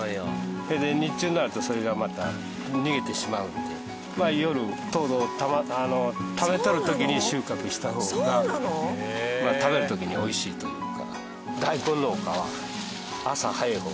それで日中になるとそれがまた逃げてしまうんで夜糖度をためとる時に収穫した方が食べる時に美味しいというか。